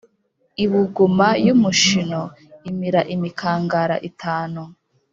Ibuguma y’umushino imira imikangara itanu.